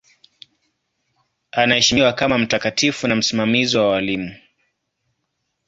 Anaheshimiwa kama mtakatifu na msimamizi wa walimu.